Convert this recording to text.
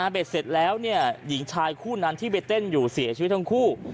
เสร็จแล้วหญิงชายคู่นั้นที่ไปเต้นอยู่เสียชีวิตทั้งคู่